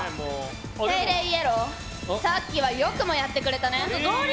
セイレイイエローさっきはよくもやってくれたね。